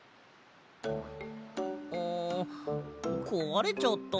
あこわれちゃった。